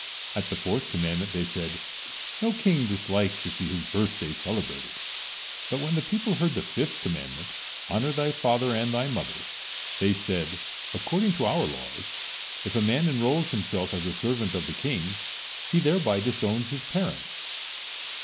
At the fourth commandment they said: "No King dislikes to see his birthday celebrated." But when the people heard the fifth commandment, "Honor thy father and thy mother," they said: "According to our laws, if a man enrolls himself as a servant of the king, he thereby disowns his parents.